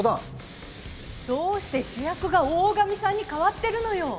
どうして主役が大神さんに代わってるのよ！